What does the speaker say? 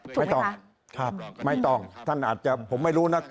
ถูกไหมคะครับไม่ต้องท่านอาจจะผมไม่รู้นะ